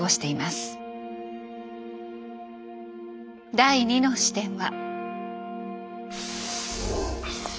第２の視点は。